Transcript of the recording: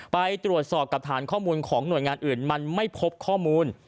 ไปตรวจสอบกับฐานข้อมูลของหน่วยงานอื่นมันไม่พบข้อมูล